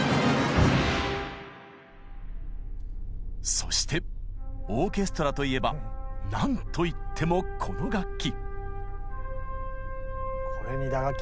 そしてオーケストラといえばなんといってもこの楽器。